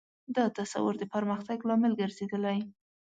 دا تصور د پرمختګ لامل ګرځېدلی.